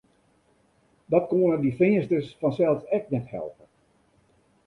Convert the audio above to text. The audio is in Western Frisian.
Dat koenen dy Feansters fansels ek net helpe.